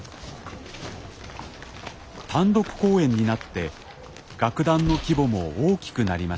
単独公演になって楽団の規模も大きくなりました。